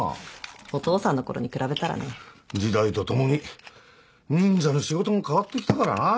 お父さんのころに比べたらね。時代とともに忍者の仕事も変わってきたからな。